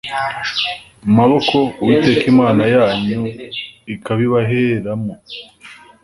Maboko uwiteka imana yanyu ikabibaheramo